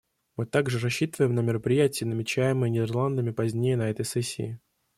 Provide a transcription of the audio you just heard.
Мы также рассчитываем на мероприятия, намечаемые Нидерландами позднее на этой сессии.